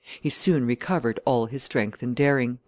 He soon recovered all his strength and daring."